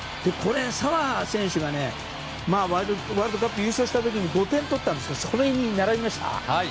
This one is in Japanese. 澤選手がワールドカップ優勝した時に５点取ったんですがそれに並びました。